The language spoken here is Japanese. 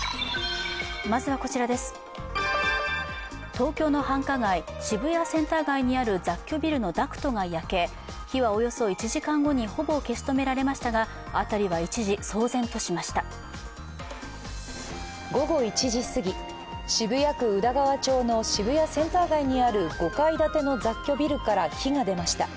東京の繁華街、渋谷センター街にある雑居ビルのダクトが焼け火はおよそ１時間後にほぼ消し止められましたが、午後１時すぎ、渋谷区宇田川町の渋谷センター街にある５階建ての雑居ビルから火が出ました。